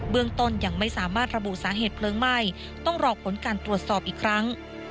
เรื่องต้นยังไม่สามารถระบุสาเหตุเพลิงไหม้ต้องรอผลการตรวจสอบอีกครั้ง